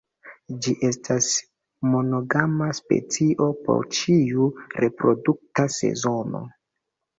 Ĝi estas monogama specio por ĉiu reprodukta sezono.